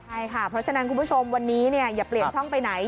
ใช่ค่ะเพราะฉะนั้นคุณผู้ชมวันนี้อย่าเปลี่ยนช่องไปไหน